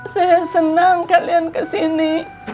saya senang kalian kesini